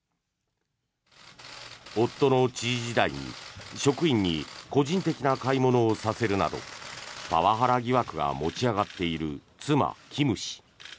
夫の知事時代に、職員に個人的な買い物をさせるなどパワハラ疑惑が持ち上がっている妻、キム氏。